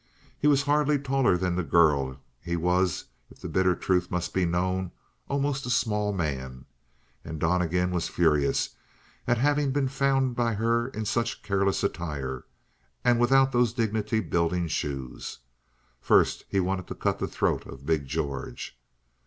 He was hardly taller than the girl; he was, if the bitter truth must be known, almost a small man. And Donnegan was furious at having been found by her in such careless attire and without those dignity building shoes. First he wanted to cut the throat of big George.